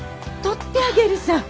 取ってあげるさぁ。